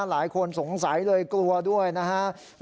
หลายคนสงสัยเลยกลัวด้วยนะครับ